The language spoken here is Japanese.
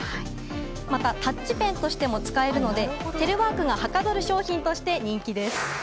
またタッチペンとしても使えるのでテレワークがはかどる商品として人気です。